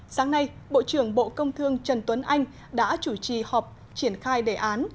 sáng nay bộ trưởng bộ công thương trần tuấn anh đã chủ trì họp triển khai đề án